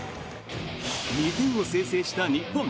２点を先制した日本。